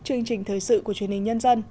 chương trình thời sự của truyền hình nhân dân